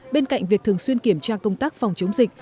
bên cạnh việc thường xuyên kiểm tra công tác phòng chống dịch